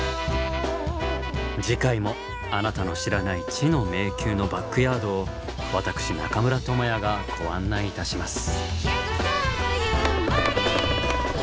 次回もあなたの知らない「知の迷宮」のバックヤードを私中村倫也がご案内いたします。